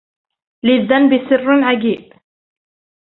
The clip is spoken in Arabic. للذنب سر عجيب